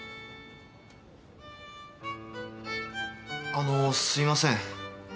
あのすいません。